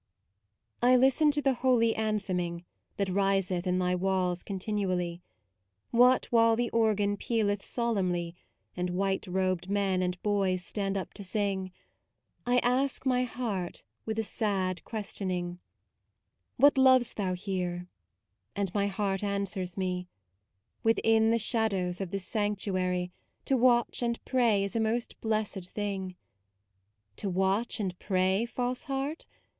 I listen to the holy antheming That riseth in thy walls continually, What while the organ pealeth solemnly And white robed men and boys stand up to sing. I ask my heart with a sad question ing: 68 MAUDE " What lov'st thou here? " and my heart answers me: "Within the shadows of this sanctuary To watch and pray is a most blessed thing. " To watch and pray, false heart?